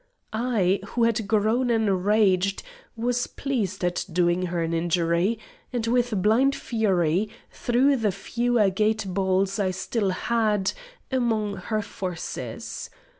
I, who had grown enraged, was pleased at doing her an injury, and with blind fury, threw the few agate balls I still had, among her forces.